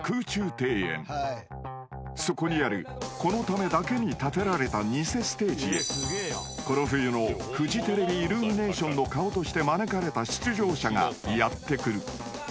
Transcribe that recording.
［そこにあるこのためだけに建てられたニセステージへこの冬のフジテレビイルミネーションの顔として招かれた出場者がやって来る］